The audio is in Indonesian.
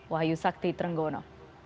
wahyu sakti trenggono